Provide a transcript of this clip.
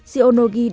xionogi đang làm việc